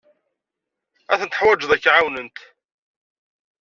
Ad tent-teḥwijeḍ ad k-ɛawnent.